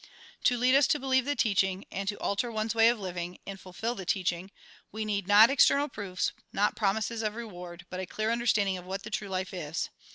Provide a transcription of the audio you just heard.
To lead us to believe the teaching, and to alter one's way of living, and fulfil the teaching, we need, not external proofs, not promises of reward, but a clear understanding of what the true life is.